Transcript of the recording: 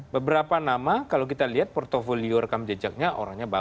beberapa nama kalau kita lihat portfolio rekam jejaknya orangnya berapa